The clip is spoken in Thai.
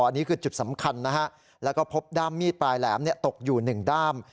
อันนี้คือจุดสำคัญนะฮะแล้วก็พบด้ามมีดปลายแหลมตกอยู่๑ด้าม